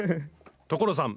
所さん